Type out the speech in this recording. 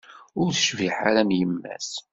Ur tecbiḥ ara am yemma-s.